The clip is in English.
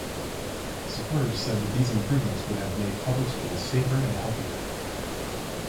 Supporters said that these improvements would have made public schools safer and healthier.